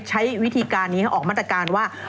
ใช้วิธีการนี้ออกมาตรการว่า